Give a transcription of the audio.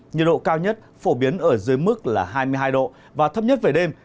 nhiệt độ cao nhất phổ biến ở dưới mức là hai mươi hai độ và thấp nhất về đêm